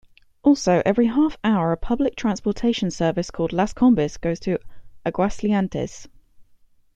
Also every half hour a public transportation service called Las Combis go to Aguascalientes.